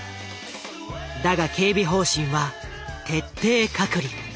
だが警備方針は徹底隔離。